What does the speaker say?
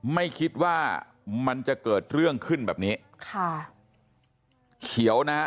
ไม่คิดว่ามันจะเกิดเรื่องขึ้นแบบนี้ค่ะเขียวนะฮะ